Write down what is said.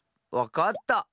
わかった。